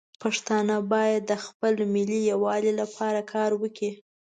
پښتانه باید د خپل ملي یووالي لپاره کار وکړي.